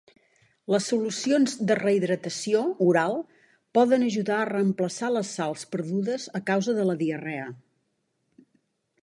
Les solucions de rehidratació oral poden ajuda a reemplaçar les sals perdudes a causa de la diarrea.